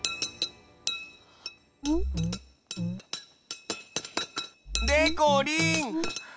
うん？でこりん。